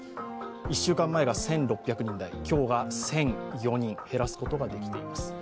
１週間前が１６００人台、今日が１００４人、減らすことができています。